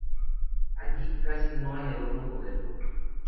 Allí casi no hay adornos modernos.